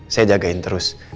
saya jagain terus